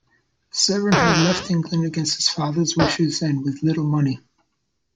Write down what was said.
Severn had left England against his father's wishes and with little money.